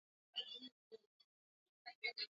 nurdin selumani amemuhoji john jingu mhadhiri